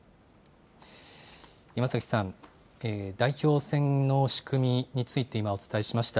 山崎さん、代表選の仕組みについて今お伝えしました。